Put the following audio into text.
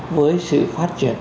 với sự phát triển